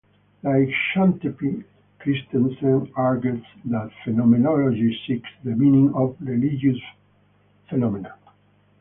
Like Chantepie, Kristensen argues that phenomenology seeks the "meaning" of religious phenomena.